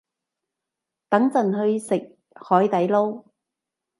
等陣去食海地撈